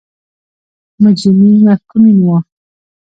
مجرمین محکومین وو.